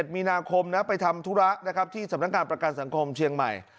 มีนาคมไปทำธุระนะครับที่สำนักงานประกันสังคมเชียงใหม่